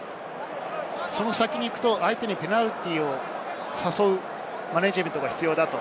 その先に行くと、相手にペナルティーを誘うマネジメントが必要です。